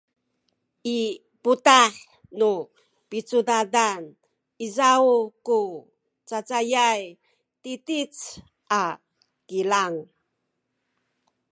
i putah nu picudadan izaw ku cacayay titic a kilang